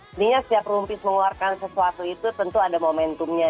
sebenarnya setiap room peace mengeluarkan sesuatu itu tentu ada momentumnya